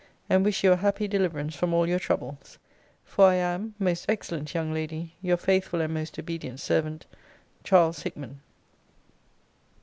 and wish you a happy deliverance from all your troubles. For I am, Most excellent young lady, Your faithful and most obedient servant, CH. HICKMAN.